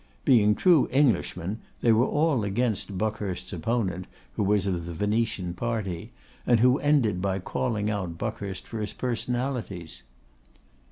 Being true Englishmen, they were all against Buckhurst's opponent, who was of the Venetian party, and who ended by calling out Buckhurst for his personalities.